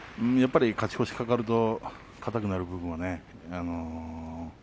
やっぱり勝ち越しが懸かると硬くなることがね